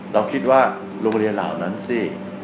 เราคิดว่าโรงเรียนเหล่านั้นสิ